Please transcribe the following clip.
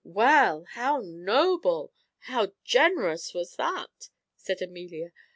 "Well! how noble, how generous was that!" said Amelia.